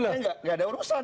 gak ada urusan